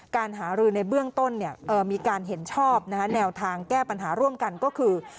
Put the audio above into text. การหารือในเบื้องต้นมีการเห็นชอบแนวทางแก้ปัญหาร่วมกันก็คือ